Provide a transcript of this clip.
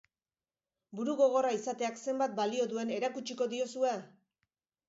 Burugogorra izateak zenbat balio duen erakutsiko diozue?